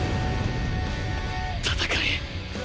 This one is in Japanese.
戦え！